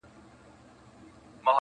سرې لمبې په غېږ کي ګرځولای سي٫